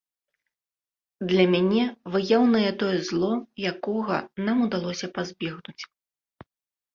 Для мяне выяўнае тое зло, якога нам удалося пазбегнуць.